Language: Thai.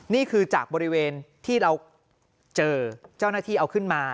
นี่คือจากบริเวณที่เราเจอเจ้าหน้าที่เอาขึ้นมา